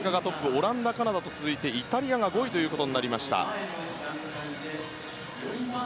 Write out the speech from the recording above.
オランダ、カナダと続いてイタリアが５位となりました。